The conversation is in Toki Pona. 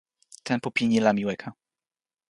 tenpo pini la mi weka.